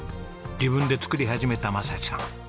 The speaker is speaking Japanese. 自分で作り始めた雅士さん。